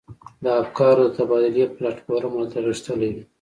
د افکارو د تبادلې پلاټ فورم هلته غښتلی وي.